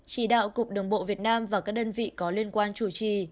chỉ đạo cục đường bộ việt nam và các đơn vị có liên quan chủ trì